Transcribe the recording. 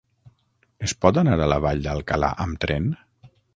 Es pot anar a la Vall d'Alcalà amb tren?